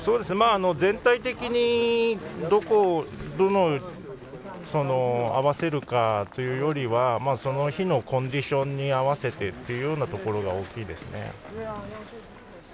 全体的に、どこをどう合わせるかというよりはその日のコンディションに合わせてというところが大きいですね。